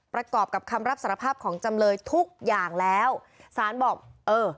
ประกอบกับคำรับสารภาพของจำเลยทุกอย่างแล้วสารบอกเออ